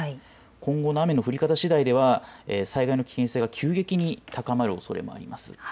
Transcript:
今後の雨の降り方しだいでは災害の危険性が急激に高まるおそれもあります。